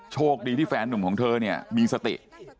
โชคดีที่แฟนหนุ่มของเธอเนี่ยมีสติ